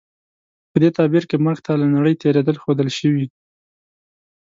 په دې تعبیر کې مرګ ته له نړۍ تېرېدل ښودل شوي.